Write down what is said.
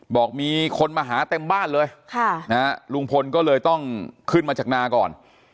บอกมีคนมาหาเต็มบ้านเลยลุงพลก็เลยต้องขึ้นมาจากนาก่อน